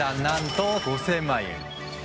なんと５０００万円。